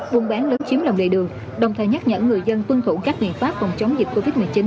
buôn bán lấn chiếm lòng lề đường đồng thời nhắc nhở người dân tuân thủ các biện pháp phòng chống dịch covid một mươi chín